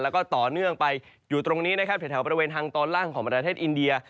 แล้วก็ต่อเนื่องไปอยู่ตรงนี้นะครับแถวบริเวณทางตอนล่างของประเทศอินเดีย